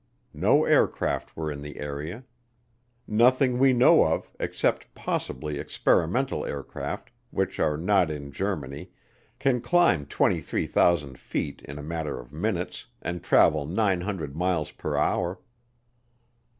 No aircraft were in the area. Nothing we know of, except possibly experimental aircraft, which are not in Germany, can climb 23,000 feet in a matter of minutes and travel 900 miles per hour.